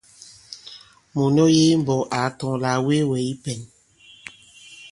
Mùt nu ɔ yek i mbɔ̄k à katɔŋ àlà ǎ wēe wɛ i pɛ̄n.